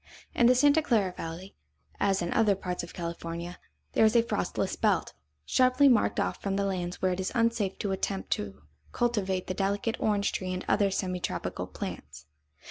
In the Santa Clara valley, as in other parts of California, there is a frostless belt, sharply marked off from the lands where it is unsafe to attempt to cultivate the delicate orange tree and other semi tropical plants.